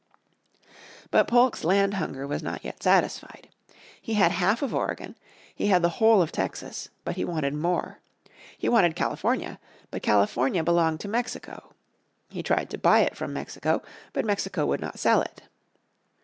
But Polk's land hunger was not yet satisfied. He had half of Oregon, he had the whole of Texas, but he wanted more. He waned California, but California belonged to Mexico. He tried to buy it from Mexico, but Mexico would not sell it.